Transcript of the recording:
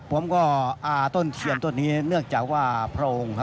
ผมก็อาต้นเทียนต้นนี้เนื่องจากว่าพระองค์